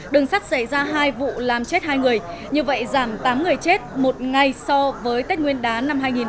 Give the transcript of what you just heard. đường sắt xảy ra hai vụ làm chết hai người như vậy giảm tám người chết một ngày so với tết nguyên đán năm hai nghìn một mươi chín